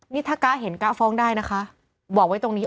นี่ถ้าก๊ะเห็นก๊าฟ้องได้นะคะบอกไว้ตรงนี้